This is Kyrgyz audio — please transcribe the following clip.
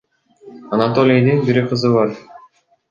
Анатолийдин бир кызы бар.